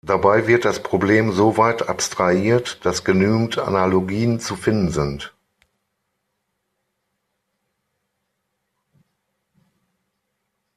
Dabei wird das Problem so weit abstrahiert, dass genügend Analogien zu finden sind.